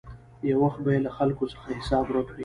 یو وخت به یې له خلکو څخه حساب ورک وي.